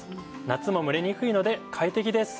夏も蒸れにくいので快適です。